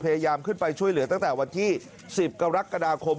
พยายามขึ้นไปช่วยเหลือตั้งแต่วันที่๑๐กรกฎาคม